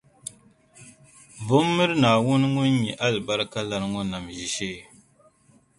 vu m-miri Naawuni ŋun nyɛ alibarikalana ŋɔ nam ʒiishee.